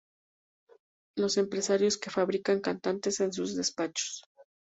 los empresarios que fabrican cantantes en sus despachos